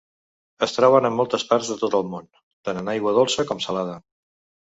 Es troben en moltes parts de tot el món, tant en aigua dolça com salada.